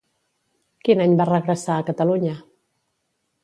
Quin any va regressar a Catalunya?